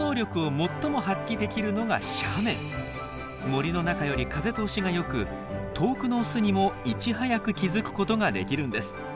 森の中より風通しがよく遠くのオスにもいち早く気付くことができるんです。